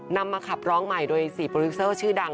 นำมาขับร้องใหม่โดย๔โปรดิวเซอร์ชื่อดัง